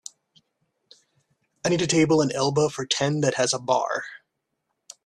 I need a table in Elba for ten that has a bar